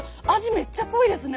めっちゃ濃いですね。